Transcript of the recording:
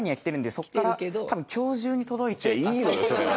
いいのよそれは。